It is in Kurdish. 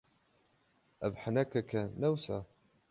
Ev henekek e, ne wisa?